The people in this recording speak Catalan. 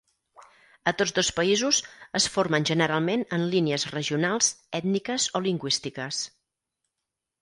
A tots dos països, es formen generalment en línies regionals, ètniques o lingüístiques.